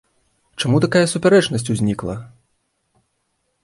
Чаму такая супярэчнасць узнікла?